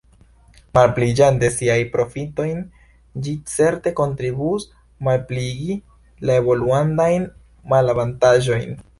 Malpliigante siajn profitojn, ĝi certe kontribuus malpliigi la evolulandajn malavantaĝojn!